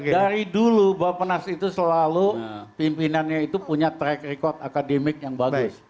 dari dulu bapak nas itu selalu pimpinannya itu punya track record akademik yang bagus